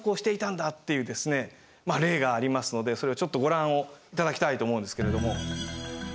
例がありますのでそれをちょっとご覧を頂きたいと思うんですけれども。